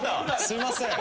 すいません。